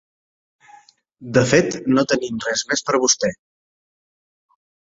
De fet, no tenim res més per a vostè.